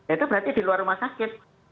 itu berarti di luar rumah sakit